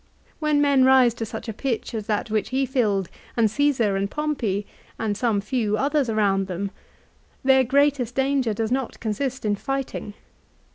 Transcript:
When men rise to such a pitch as that which he filled and Caesar and Pompey, and some few others around them, their greatest danger does not consist in fighting.